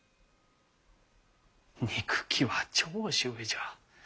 憎きは長州じゃ。